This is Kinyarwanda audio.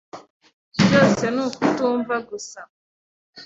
Byose ni ukutumva gusa.